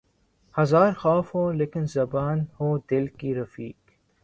ہزار خوف ہو لیکن زباں ہو دل کی رفیق